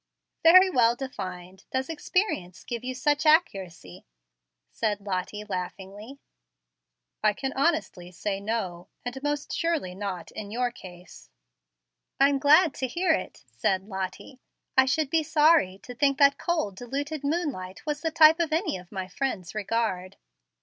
"Very well defined. Does experience give you such accuracy?" said Lottie, laughingly. "I can honestly say no; and most surely not in your case." "I'm glad to hear it," said Lottie. "I should be sorry to think that cold, diluted moonlight was the type of any of my friends' regard."